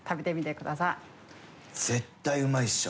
絶対うまいっしょ。